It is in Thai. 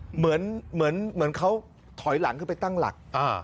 เหมือนเหมือนเหมือนเขาถอยหลังขึ้นไปตั้งหลัก